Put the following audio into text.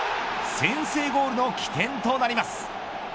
先制ゴールの起点となります。